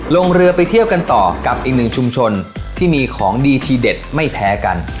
ลงเรือไปเที่ยวกันต่อกับอีกหนึ่งชุมชนที่มีของดีทีเด็ดไม่แพ้กัน